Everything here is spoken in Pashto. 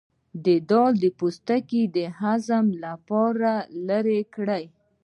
د دال پوستکی د هضم لپاره لرې کړئ